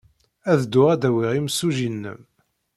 Ad dduɣ ad d-awiɣ imsujji-nnem.